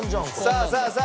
さあさあさあ！